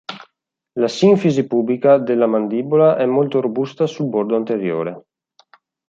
La sinfisi pubica della mandibola è molto robusta sul bordo anteriore.